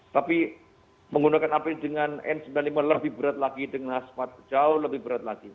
tapi menggunakan apd dengan n sembilan puluh lima lebih berat lagi dengan smart jauh lebih berat lagi